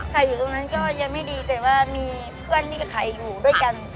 ขายอยู่ตรงนั้นก็ยังไม่ดีแต่ว่ามีเพื่อนที่ขายอยู่ด้วยกัน